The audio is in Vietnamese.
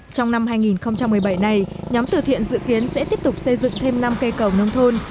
trong năm hai nghìn một mươi bảy này nhóm từ thiện dự kiến sẽ tiếp tục xây dựng thêm năm cây cầu nông thôn